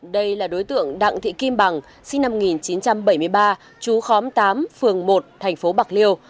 đây là đối tượng đặng thị kim bằng sinh năm một nghìn chín trăm bảy mươi ba chú khóm tám phường một thành phố bạc liêu